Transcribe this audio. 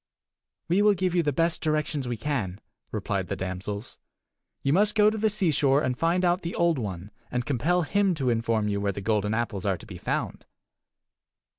"We will give you the best directions we can," replied the damsels. "You must go to the seashore and find out the Old One, and compel him to inform you where the golden apples are to be found."